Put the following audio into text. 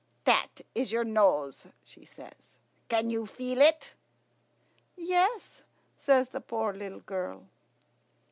"That is your nose," she says. "Can you feel it?" "Yes," says the poor little girl.